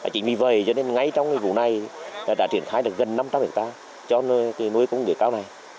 chỉ vì vậy ngay trong vụ này đã triển khai gần năm trăm linh người ta cho nuôi công nghiệp cao này